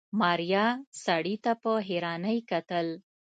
ماريا سړي ته په حيرانۍ کتل.